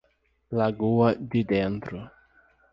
Lagoa de Dentro